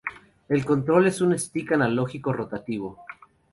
El control es un stick analógico rotativo.